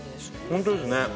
本当ですね。